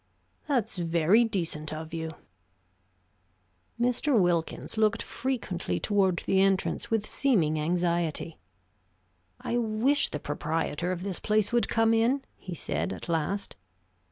"That's very decent of you." Mr. Wilkins looked frequently toward the entrance, with seeming anxiety. "I wish the proprietor of this place would come in," he said at last.